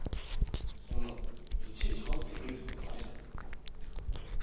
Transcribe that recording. そんないちいち家族に無理することないじゃない。